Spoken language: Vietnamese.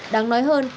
đáng nói hơn